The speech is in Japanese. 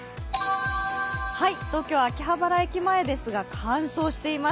東京・秋葉原駅前ですが乾燥しています。